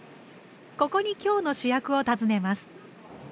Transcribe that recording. ここに今日の主役を訪ねます。